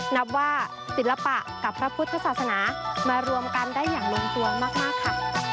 นับว่าศิลปะกับพระพุทธศาสนามารวมกันได้อย่างลงตัวมากค่ะ